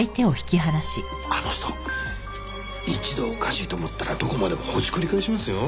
あの人一度おかしいと思ったらどこまでもほじくり返しますよ。